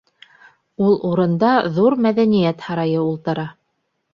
Ул урында ҙур Мәҙәниәт һарайы ултыра.